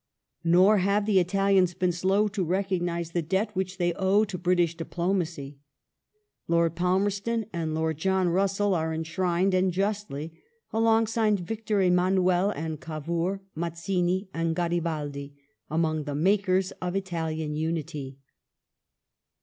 Nor have the Italians been slow to recognize the debt which they owe to British diplomacy. Lord Palmerston and Lord John Russell are enshrined, and justly, alongside Victor Emmanuel and Cavour, Mazzini and Garibaldi, among the "makers " of Italian Unity.